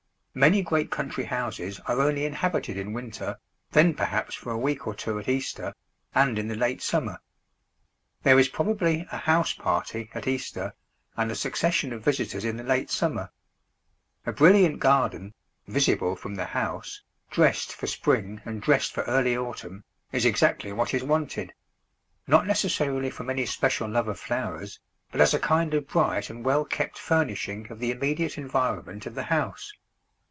Many great country houses are only inhabited in winter, then perhaps for a week or two at Easter, and in the late summer. There is probably a house party at Easter, and a succession of visitors in the late summer. A brilliant garden, visible from the house, dressed for spring and dressed for early autumn, is exactly what is wanted not necessarily from any special love of flowers, but as a kind of bright and well kept furnishing of the immediate environment of the house.